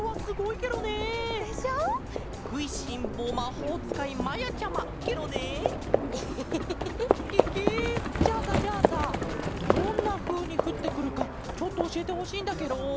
ケケ！じゃあさじゃあさどんなふうにふってくるかちょっとおしえてほしいんだケロ。